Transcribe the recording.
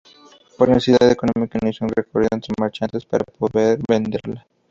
Por necesidad económica, inició un recorrido entre marchantes para poder venderla.